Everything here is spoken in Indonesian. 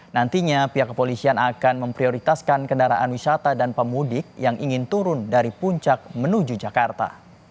nantinya pihak kepolisian akan memprioritaskan kendaraan wisata dan pemudik yang ingin turun dari puncak menuju jakarta